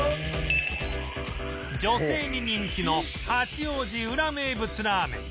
女性に人気の八王子ウラ名物ラーメン